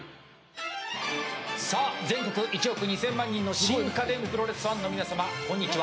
全国１億２０００万人の新家電プロレスファンの皆様こんにちは。